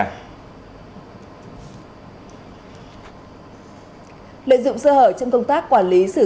hãy đăng ký kênh để ủng hộ kênh của chúng mình nhé